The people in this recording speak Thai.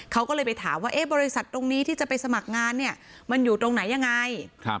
เขาก็เลยไปถามว่าบริษัทตรงนี้ที่จะไปสมัครงานเนี่ยมันอยู่ตรงไหนยังไง